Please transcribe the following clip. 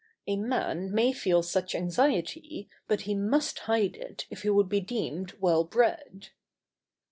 A man may feel such anxiety, but he must hide it if he would be deemed well bred.